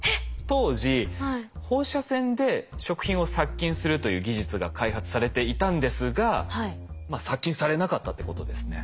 当時放射線で食品を殺菌するという技術が開発されていたんですが殺菌されなかったっていうことですね。